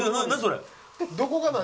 どこが何？